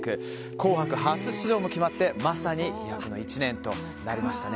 「紅白」初出場も決まりまさに飛躍の１年となりましたね。